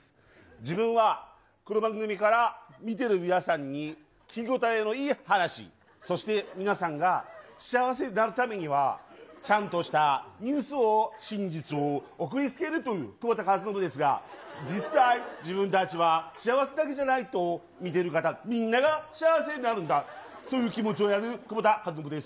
自分はこの番組から見てる皆さんに聞き応えのいい話、そして皆さんが幸せになるためには、ちゃんとしたニュースを、真実を送りつけるという久保田かずのぶですが、実際、自分たちは幸せだけじゃないと、見てる方みんなが幸せになるんだ、そういう気持ちをやる久保田かずのぶです。